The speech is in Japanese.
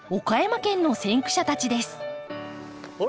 あれ？